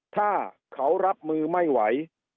ถ้าเขารับมือไม่ไหว